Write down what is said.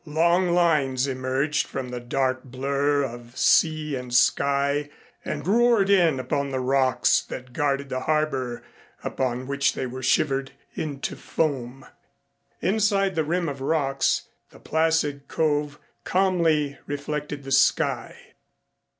Long lines emerged from the dark blur of sea and sky and roared in upon the rocks that guarded the harbor upon which they were shivered into foam. Inside the rim of rocks the placid cove calmly reflected the sky.